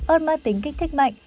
ơt ma tính kích thích mạnh